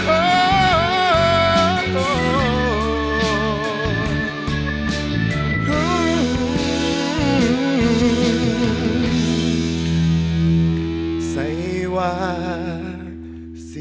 ขอบคุณมาก